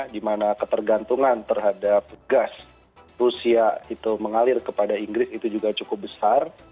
di mana ketergantungan terhadap gas rusia itu mengalir kepada inggris itu juga cukup besar